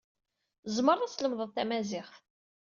Tzemreḍ ad tlemdeḍ tamaziɣt.